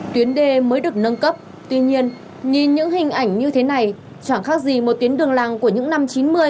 tuyến đê mới được nâng cấp tuy nhiên nhìn những hình ảnh như thế này chẳng khác gì một tuyến đường làng của những năm chín mươi